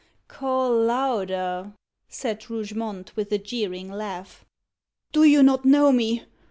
"Call louder," said Rougemont, with a jeering laugh. "Do you not know me?